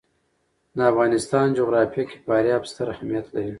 د افغانستان جغرافیه کې فاریاب ستر اهمیت لري.